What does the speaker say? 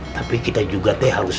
tapi kita juga teh harus